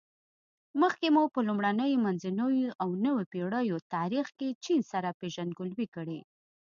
مخکې مو په لومړنیو، منځنیو او نویو پېړیو تاریخ کې چین سره پېژندګلوي کړې.